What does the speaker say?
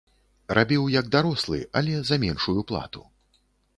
Рабіў як дарослы, але за меншую плату.